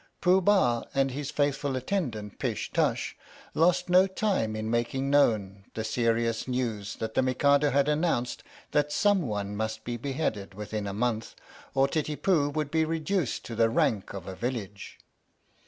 Pooh Bah and his faithful attend ant, Pish Tush, lost no time in making known the serious news, that the Mikado had announced that someone must be beheaded within a month or Titipu would be reduced to the rank of a village.